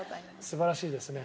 素晴らしいですね。